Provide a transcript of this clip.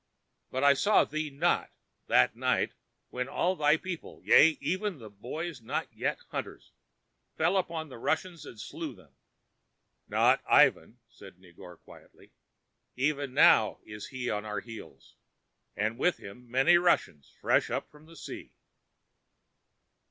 But I saw thee not, that night, when all thy people—yea, even the boys not yet hunters—fell upon the Russians and slew them all." "Not Ivan," said Negore, quietly. "Even now is he on our heels, and with him many Russians fresh up from the sea."